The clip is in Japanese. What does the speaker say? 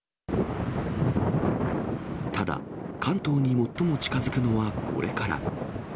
ただ、関東に最も近づくのはこれから。